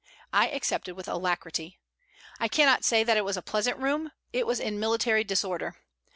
I accepted with alacrity. I cannot say that it was a pleasant room; it was in military disorder.